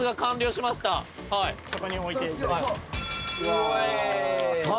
そこに置いて。